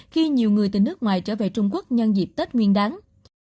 khi nhiều người từ nước ngoài trở về trung quốc nhân dịp tết nguyên đáng